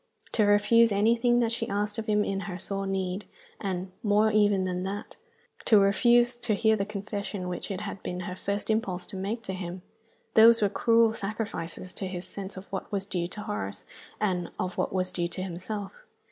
To refuse anything that she asked of him in her sore need and, more even than that, to refuse to hear the confession which it had been her first impulse to make to him these were cruel sacrifices to his sense of what was due to Horace and of what was due to himself.